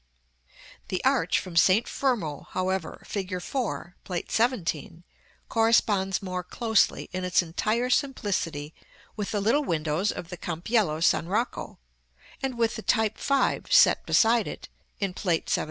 § XXXVII. The arch from St. Fermo, however, fig. 4, Plate XVII., corresponds more closely, in its entire simplicity, with the little windows from the Campiello San Rocco; and with the type 5 set beside it in Plate XVII.